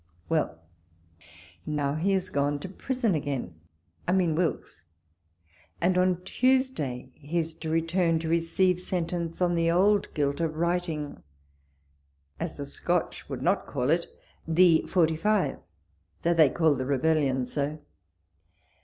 Well ! now he is gone to prison again — I mean Wilkes ; and on Tuesday he is to return to re ceive sentence on the old guilt of writing, as the Scotch would not call it, the 45, though they call the rebellion so.